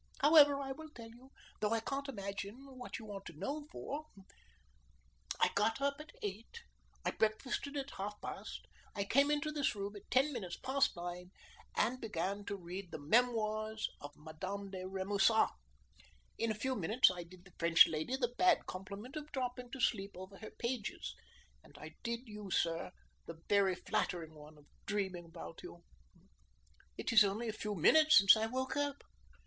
However, I will tell you, though I can't imagine what you want to know for. I got up at eight. I breakfasted at half past. I came into this room at ten minutes past nine and began to read the 'Memoirs of Mme. de Remusat.' In a few minutes I did the French lady the bad compliment of dropping to sleep over her pages, and I did you, sir, the very flattering one of dreaming about you. It is only a few minutes since I woke up."